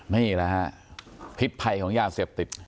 ไม่แล้วฮะผิดภัยของยาเสพติด